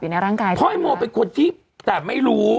อยู่ในร่างกายพอมันเป็นคนที่แต่ไม่รู้